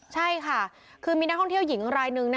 ใช่ค่ะคือมีนักท่องเที่ยวหญิงรายหนึ่ง